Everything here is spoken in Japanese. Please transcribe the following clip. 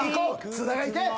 津田がいけ。